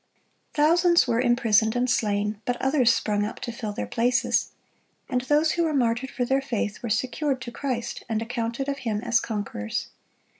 (63) Thousands were imprisoned and slain; but others sprung up to fill their places. And those who were martyred for their faith were secured to Christ, and accounted of Him as conquerors.